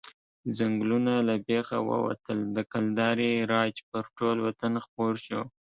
ځنګلونه له بېخه ووتل، د کلدارې راج پر ټول وطن خپور شو.